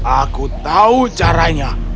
aku tahu caranya